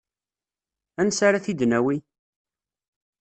Ansi ara t-id-nawi?